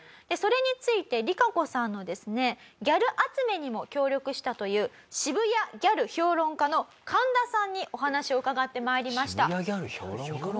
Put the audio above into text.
それについてリカコさんのですねギャル集めにも協力したという渋谷ギャル評論家の神田さんにお話を伺って参りました。